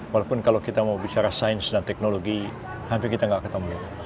walaupun kalau kita mau bicara sains dan teknologi hampir kita nggak ketemu